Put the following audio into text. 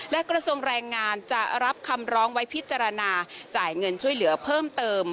และกระทรวงแรงงานจะรับคำร้องไว้พิจารณาจ่ายเงินช่วยเหลือเพิ่มเติม